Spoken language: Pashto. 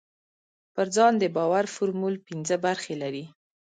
پر ځان د باور فورمول پينځه برخې لري.